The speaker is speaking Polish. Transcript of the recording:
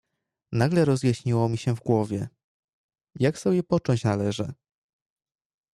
"Nagle rozjaśniło mi się w głowie, jak sobie począć należy."